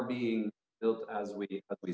jika anda tidak peduli